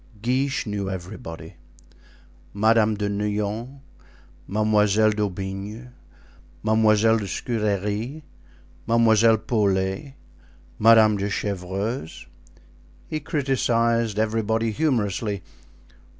Guiche knew everybody—Madame de Neuillan, Mademoiselle d'Aubigne, Mademoiselle de Scudery, Mademoiselle Paulet, Madame de Chevreuse. He criticised everybody humorously.